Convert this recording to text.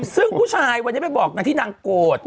ซึ่งผู้ชายวันนี้ไปบอกนางที่นางโกรธ